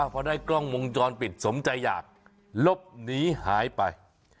พอได้กล้องวงจรปิดสมใจอยากลบหนีหายไป